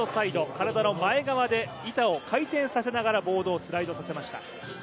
体の前側で板を回転させながらボードをスライドさせました。